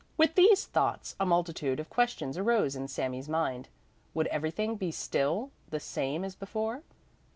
With these thoughts a multitude of questions arose in Sami's mind: Would everything be still the same as before?